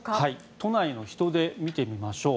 都内の人出見てみましょう。